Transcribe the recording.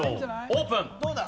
オープン！